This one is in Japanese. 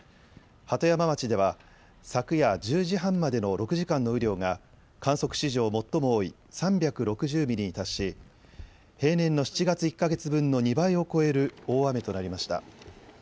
鳩山町では昨夜１０時半までの６時間の雨量が観測史上最も多い３６０ミリに達し平年の７月１か月分の２倍を超える大雨となりました。